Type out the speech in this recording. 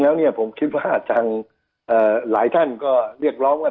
แล้วเนี่ยผมคิดว่าทางหลายท่านก็เรียกร้องว่า